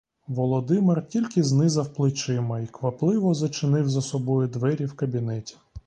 Володимир тільки знизав плечима й квапливо зачинив за собою двері в кабінеті.